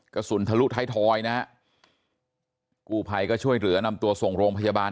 กระสุนทะลุท้ายทอยนะฮะกูภัยก็ช่วยเหลือนำตัวส่งโรงพยาบาล